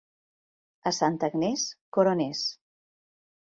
A Santa Agnès, coroners.